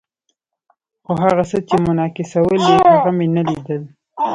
خو هغه څه چې منعکسول یې، هغه مې نه لیدل.